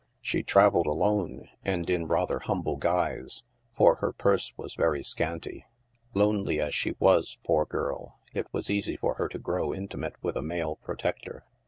She trav 3 1 NIGHT SIDE OF NEW YORK. eled alone, and in rather humble guise, for her purse was very scanty. Lonely as she was, poor girl, it was easy for her to grow intimate with a male protector.